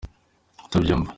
kutabyumva.